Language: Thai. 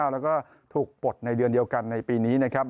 แล้วก็ถูกปลดในเดือนเดียวกันในปีนี้นะครับ